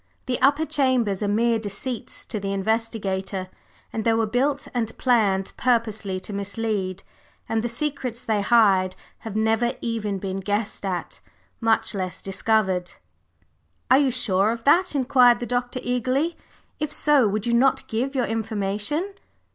The upper chambers are mere deceits to the investigator; they were built and planned purposely to mislead, and the secrets they hide have never even been guessed at, much less discovered." "Are you sure of that?" inquired the Doctor, eagerly. "If so, would you not give your information.